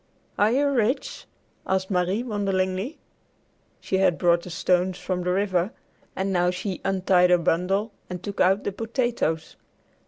"Are you rich?" asked Marie wonderingly. She had brought the stones from the river, and now she untied her bundle and took out the potatoes.